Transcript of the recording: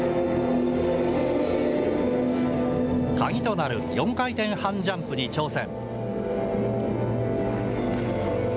鍵となる４回転半ジャンプに挑戦。